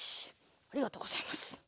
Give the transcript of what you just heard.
ありがとうございます。